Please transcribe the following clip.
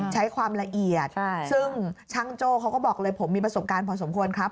ใช้ความละเอียดซึ่งช่างโจ้เขาก็บอกเลยผมมีประสบการณ์พอสมควรครับ